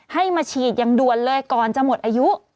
ให้มาฉีดอย่างด่วนเลยก่อนจะหมดอายุ